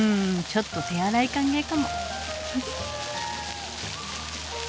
ちょっと手荒い歓迎かも。